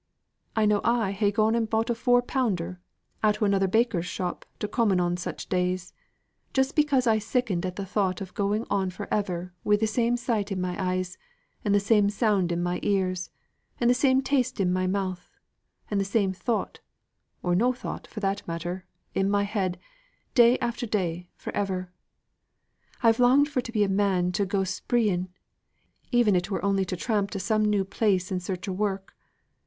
I know I ha' gone and bought a four pounder out o' another baker's shop to common on such days, just because I sickened at the thought of going on for ever wi' the same sight in my eyes, and the same sound in my ears, and the same taste i' my mouth, and the same thought (or no thought, for that matter) in my head, day after day, for ever. I've longed for to be a man to go spreeing, even if it were only a tramp to some new place in search o' work.